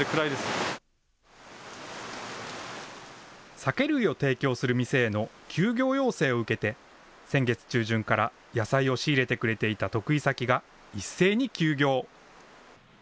酒類を提供する店への休業要請を受けて、先月中旬から野菜を仕入れてくれていた得意先が一斉に休業。